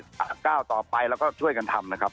ก้าวต่อไปแล้วก็ช่วยกันทำนะครับ